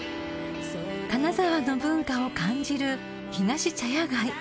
［金沢の文化を感じるひがし茶屋街］